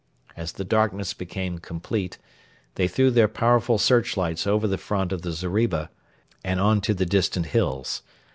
As the darkness became complete they threw their powerful searchlights over the front of the zeriba and on to the distant hills.